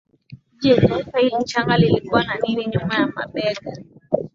Je Taifa hili changa lilikuwa na nini nyuma ya mabega